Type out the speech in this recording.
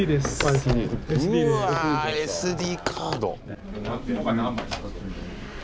うわＳＤカード。